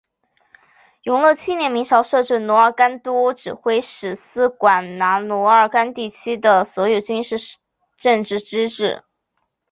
永乐七年明朝设置奴儿干都指挥使司管辖奴儿干地区的所有军事建制机构。